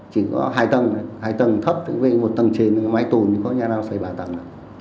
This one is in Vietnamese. chỉ có hai tầng hai tầng thấp một tầng trên máy tồn thì có nhà nào xây ba tầng